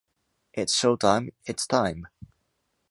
It's showtime. It's time.